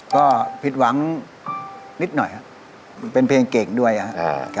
ก็ผิดหวังนิดหน่อยครับเป็นเพลงเก่งด้วยครับ